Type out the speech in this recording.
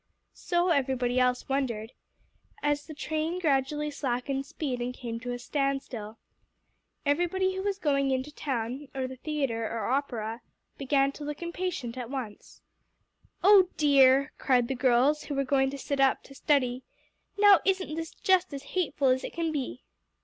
So everybody else wondered, as the train gradually slackened speed and came to a standstill. Everybody who was going in to town to the theatre or opera, began to look impatient at once. "Oh dear!" cried the girls who were going to sit up to study, "now isn't this just as hateful as it can be?"